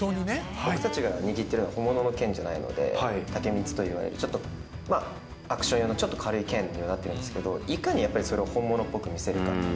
僕たちが握っているのは本物の剣じゃないので、たけみつといわれる、アクション用のちょっと軽い剣になっているんですけど、いかにそれをやっぱり本物っぽく見せるかっていう。